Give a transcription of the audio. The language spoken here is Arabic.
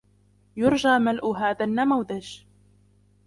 يرجى ملء هذا النموذج.